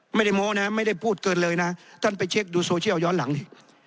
โม้นะไม่ได้พูดเกินเลยนะท่านไปเช็คดูโซเชียลย้อนหลังอีก